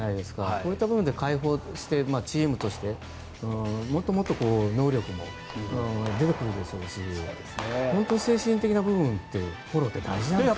そういった部分で解放してチームとしてもっと能力も出てくると思うし精神的な部分ってフォローって大事なんですね。